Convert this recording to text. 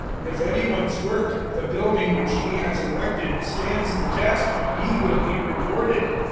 003:014 If any one's work the building which he has erected stands the test, he will be rewarded.